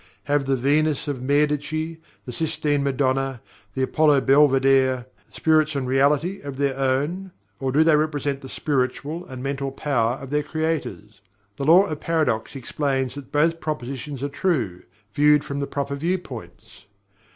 Have the Venus of Medici, the Sistine Madonna, the Apollo Belvidere, spirits and reality of their own, or do they represent the spiritual and mental power of their creators? The Law of Paradox explains that both propositions are true, viewed from the proper viewpoints.